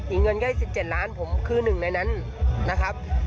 เงินใกล้๑๗ล้านผมคือหนึ่งในนั้นนะครับ